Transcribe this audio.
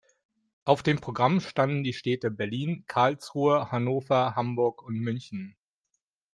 Auf dem Programm standen die Städte Berlin, Karlsruhe, Hannover, Hamburg und München.